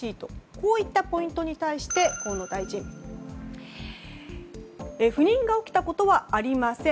こういったポイントに対して河野大臣は不妊が起きたことはありません。